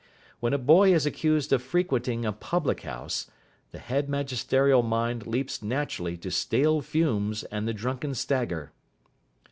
When a boy is accused of frequenting a public house, the head magisterial mind leaps naturally to Stale Fumes and the Drunken Stagger.